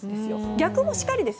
逆もしかりです。